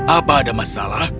apa ada masalah